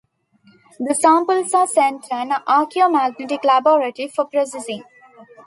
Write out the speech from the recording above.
The samples are sent to an Archaeomagnetic Laboratory for processing.